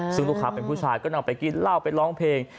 ซึ่งลูกค้าเป็นผู้ชายก็นำไปกินเหล้าไปร้องเพลง